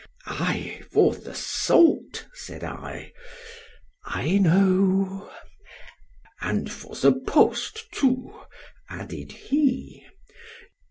Aye! for the salt; said I (I know)—— —And for the post too; added he.